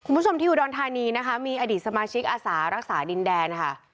คุณผู้ชมที่อุดรธานีนะคะมีอดีตสมาชิกอาสารักษาดินแดนค่ะ